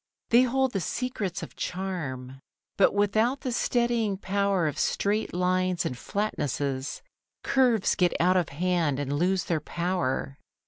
They hold the secrets of charm. But without the steadying power of straight lines and flatnesses, curves get out of hand and lose their power.